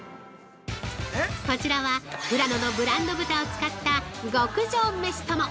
こちらは富良野のブランド豚を使った、極上メシとも。